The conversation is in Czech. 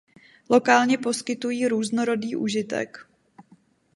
Lokálně poskytují různorodý užitek.